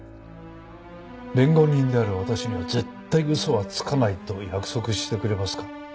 弁護人である私には絶対嘘はつかないと約束してくれますか？